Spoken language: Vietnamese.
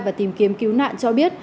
và tìm kiếm cứu nạn cho biết